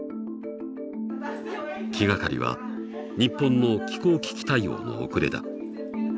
気がかりは日本の気候危機対応の遅れだ。